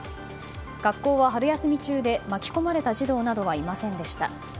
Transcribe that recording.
学校は春休み中で巻き込まれた児童などはいませんでした。